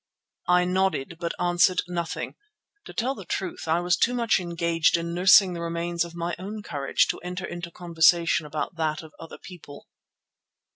I nodded but answered nothing. To tell the truth, I was too much engaged in nursing the remains of my own courage to enter into conversation about that of other people.